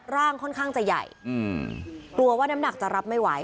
ค่อนข้างจะใหญ่กลัวว่าน้ำหนักจะรับไม่ไหว